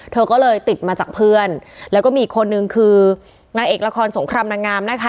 เธอก็เลยติดมาจากเพื่อนแล้วก็มีอีกคนนึงคือนางเอกละครสงครามนางงามนะคะ